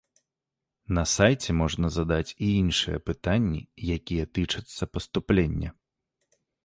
На сайце можна задаць і іншыя пытанні, якія тычацца паступлення.